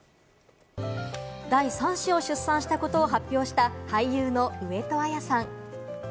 第３子を出産したことを発表した俳優の上戸彩さん。